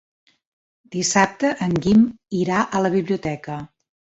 Dissabte en Guim irà a la biblioteca.